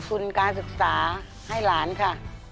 ทุนการศึกษาให้หลานค่ะ